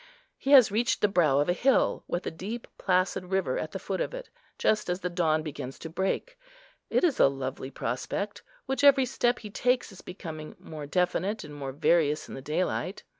He has reached the brow of a hill, with a deep placid river at the foot of it, just as the dawn begins to break. It is a lovely prospect, which every step he takes is becoming more definite and more various in the daylight.